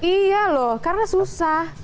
iya loh karena susah